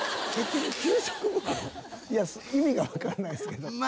意味がわからないですけど。